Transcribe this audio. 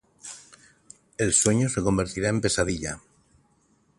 El sueño se convertirá en pesadilla...